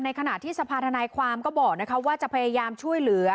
ขณะที่สภาธนายความก็บอกว่าจะพยายามช่วยเหลือ